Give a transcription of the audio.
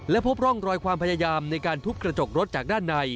และพบร่องรอยความพยายามในการทุบกระจกรถจากด้านใน